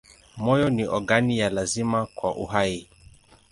Moyo ni ogani ya lazima kwa uhai.